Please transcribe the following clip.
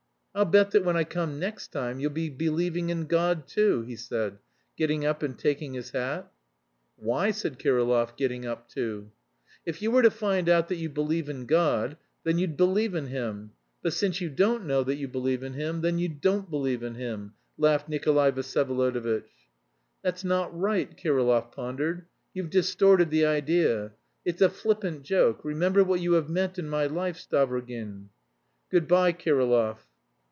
"I'll bet that when I come next time you'll be believing in God too," he said, getting up and taking his hat. "Why?" said Kirillov, getting up too. "If you were to find out that you believe in God, then you'd believe in Him; but since you don't know that you believe in Him, then you don't believe in Him," laughed Nikolay Vsyevolodovitch. "That's not right," Kirillov pondered, "you've distorted the idea. It's a flippant joke. Remember what you have meant in my life, Stavrogin." "Good bye, Kirillov."